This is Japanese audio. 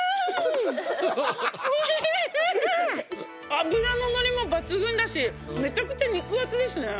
脂ののりも抜群だしめちゃくちゃ肉厚ですね。